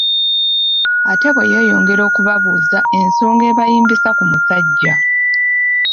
Ate bwe yeeyongera okubabuuza ensonga ebayimbisaa ku musajja